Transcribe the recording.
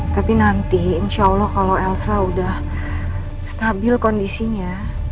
tapi nanti insya allah kalau elsa sudah stabil kondisinya